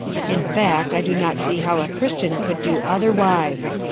In fact I do not see how a Chris tian could do otherwise.